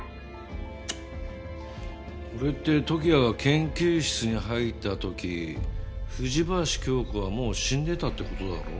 これって時矢が研究室に入った時藤林経子はもう死んでたって事だろ？